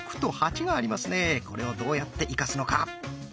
これをどうやって生かすのか。